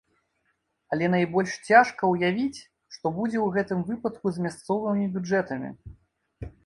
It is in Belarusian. Але найбольш цяжка ўявіць, што будзе ў гэтым выпадку з мясцовымі бюджэтамі.